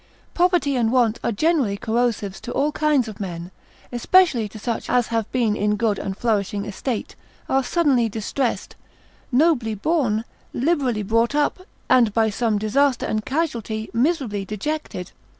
Poverty and want are generally corrosives to all kinds of men, especially to such as have been in good and flourishing estate, are suddenly distressed, nobly born, liberally brought up, and, by some disaster and casualty miserably dejected.